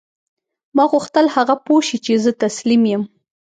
ما غوښتل هغه پوه شي چې زه تسلیم یم